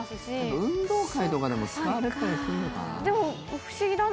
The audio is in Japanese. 運動会とかでも使われたりするのかな。